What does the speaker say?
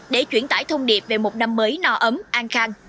để chuyển tải thông điệp về một năm mới no ấm an khang